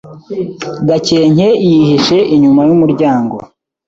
Gakenke yihishe inyuma yumuryango.